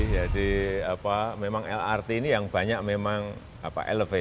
jadi memang lrt ini yang banyak memang elevated